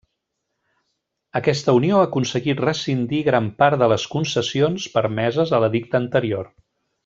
Aquesta unió aconseguí rescindir gran part de les concessions permeses a l'edicte anterior.